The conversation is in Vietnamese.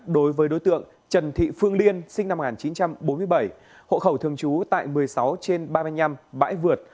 đối với đối tượng trần thị phương liên sinh năm một nghìn chín trăm bốn mươi bảy hộ khẩu thường trú tại một mươi sáu trên ba mươi năm bãi vượt